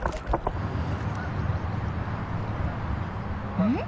うん？